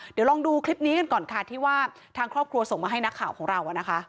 เดี๋ยวลองดูคลิปนี้กันก่อนค่ะที่ว่าทางครอบครัวส่งมาให้นักข่าวของเรา